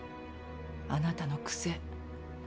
あなたの癖。